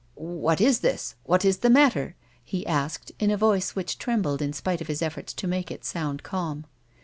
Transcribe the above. " What is it 1 What is the matter 1 " he asked, in a voice which trembled in spite of his efforts to make it sound calm.